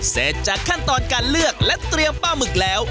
เสร็จจากขั้นตอนการเลือกและเตรียมปลาหมึกแล้ว